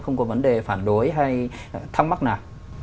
không có vấn đề phản đối hay thắc mắc nào